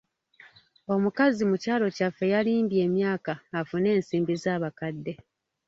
Omukazi mu kyalo kyaffe yalimbye emyaka afune ensimbi z'abakadde.